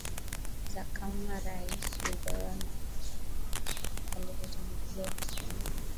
za kama rais yudhoyono alivyotangulia kusema